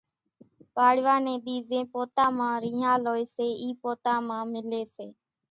پاڙوا ني ۮي زين پوتا مان رينۿال ھوئي سي اِي پوتا مان ملي سي